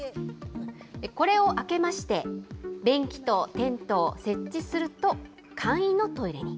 これを開けまして、便器とテントを設置すると、簡易のトイレに。